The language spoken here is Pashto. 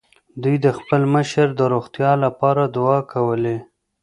دوی د خپل مشر د روغتيا له پاره دعاوې کولې.